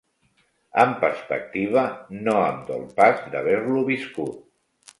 Amb perspectiva no em dol pas d'haver-lo viscut.